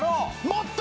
もっと！